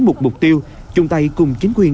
một mục tiêu chung tay cùng chính quyền